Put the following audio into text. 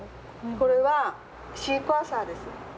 これはシークワーサーです。